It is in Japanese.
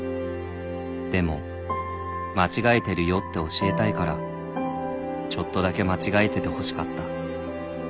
「でも間違えてるよって教えたいからちょっとだけ間違えててほしかった」